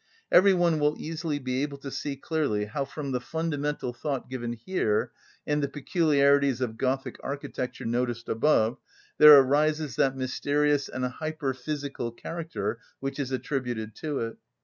Every one will easily be able to see clearly how from the fundamental thought given here, and the peculiarities of Gothic architecture noticed above, there arises that mysterious and hyperphysical character which is attributed to it.